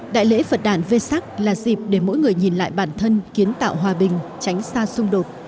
đại lễ phật đàn vê sắc là dịp để mỗi người nhìn lại bản thân kiến tạo hòa bình tránh xa xung đột